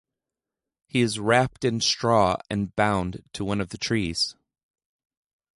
He is wrapped in straw and bound to one of the trees.